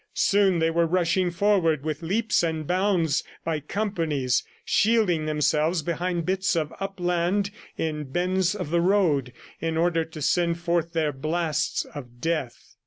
Soon they were rushing forward with leaps and bounds, by companies, shielding themselves behind bits of upland in bends of the road, in order to send forth their blasts of death.